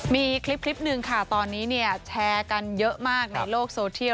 มีคลิปหนึ่งค่ะตอนนี้เนี่ยแชร์กันเยอะมากในโลกโซเทียล